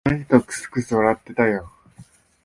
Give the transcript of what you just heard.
あの人、くすくす笑ってたよ。